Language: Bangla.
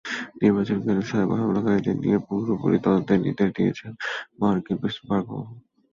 নির্বাচনকালীন সাইবার হামলাকারীদের নিয়ে পুরোপুরি তদন্তের নির্দেশ দিয়েছেন মার্কিন প্রেসিডেন্ট বারাক ওবামা।